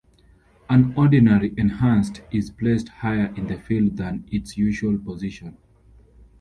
An ordinary "enhanced" is placed higher in the field than its usual position.